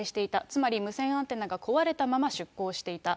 つまり、無線アンテナが壊れたまま出航していた。